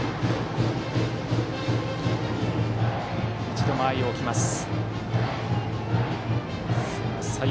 一度、間合いを置きました。